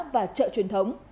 và chợ truyền thống